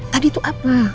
tadi itu apa